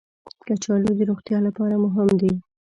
کچالو د روغتیا لپاره مهم دي